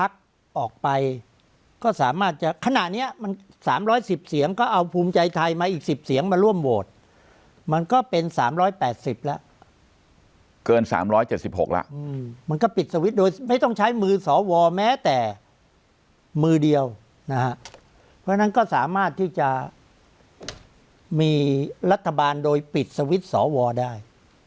ก็สามารถจะขนาดนี้มัน๓๑๐เสียงก็เอาภูมิใจไทยมาอีก๑๐เสียงมาร่วมโหวตมันก็เป็น๓๘๐แล้วเกิน๓๗๖แล้วมันก็ปิดสวโดยไม่ต้องใช้มือสวแม้แต่มือเดียวนะครับเพราะฉะนั้นก็สามารถที่จะมีรัฐบาลโดยปิดสวได้